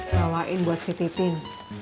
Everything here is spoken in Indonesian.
bawain buat si titin